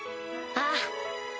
ああ。